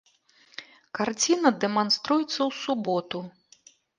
Карціна дэманструецца ў суботу.